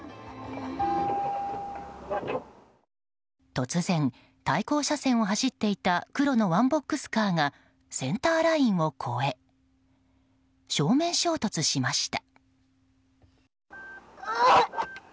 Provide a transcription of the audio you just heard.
突然、対向車線を走っていた黒のワンボックスカーがセンターラインを越え正面衝突しました。